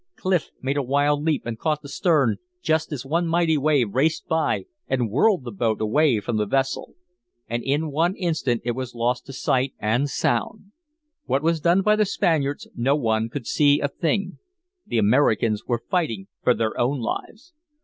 Clif made a wild leap and caught the stern just as one mighty wave raced by and whirled the boat away from the vessel. And in one instant it was lost to sight and sound. What was done by the Spaniards no one could see a thing. The Americans were fighting for their own lives.